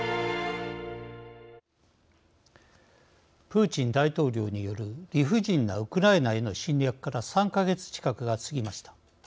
プーチン大統領による理不尽なウクライナへの侵略から３か月近くが過ぎました。